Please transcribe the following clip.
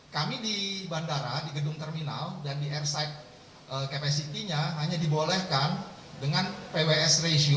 kami di bandara di gedung terminal dan di airside capacity nya hanya dibolehkan dengan pws ratio